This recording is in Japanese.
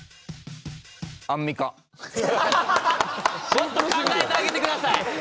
もっと考えてあげてください！